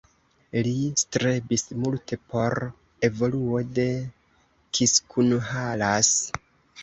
Li strebis multe por evoluo de Kiskunhalas.